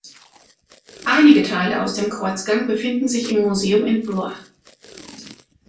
Einige Teile aus dem Kreuzgang befinden sich im Museum in Blois.